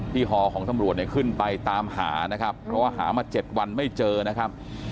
หอของตำรวจเนี่ยขึ้นไปตามหานะครับเพราะว่าหามา๗วันไม่เจอนะครับ